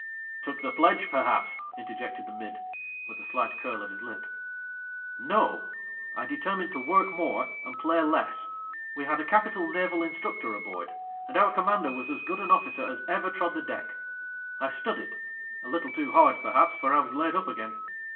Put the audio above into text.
' Took the pledge, perhaps !' interjected the mid, with a slight curl of his lip. ' No ! I determined to work more and play less. We had a capital naval instructor aboard, and our commander was as good an officer as ever trod the deck. I studied — a little too hard perhaps, for I was laid up again.